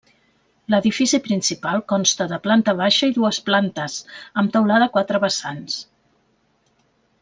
L'edifici principal consta de planta baixa i dues plantes, amb teulada a quatre vessants.